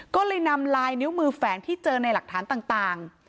ก็เลยนำลายนิ้วมือแฝงที่เจอในหลักฐานต่าง